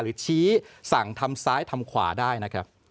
หรือชี้สั่งทำซ้ายทำขวาได้นะครับ